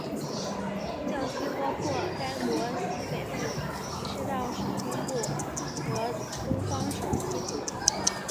教区包括该国西北部赤道省东部和东方省西部。